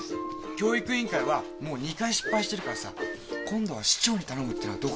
教育委員会はもう２回失敗してるからさ今度は市長に頼むっていうのはどうかと思うんだよ。